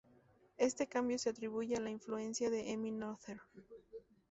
Este cambio se atribuye a la influencia de Emmy Noether.